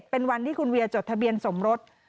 เป็นวันที่คุณเวียจดทะเบียนสมรส